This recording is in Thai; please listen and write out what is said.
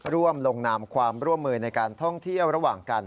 ร่วมลงนามความร่วมมือในการท่องเที่ยวระหว่างกัน